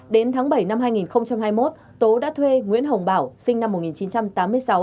đến tháng bảy năm hai nghìn hai mươi một tố đã thuê nguyễn hồng bảo sinh năm một nghìn chín trăm tám mươi sáu